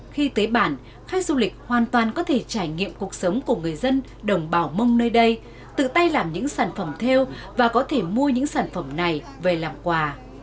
khi tới bản khách du lịch hoàn toàn có thể trải nghiệm cuộc sống của người dân đồng bào mông nơi đây tự tay làm những sản phẩm theo và có thể mua những sản phẩm này về làm quà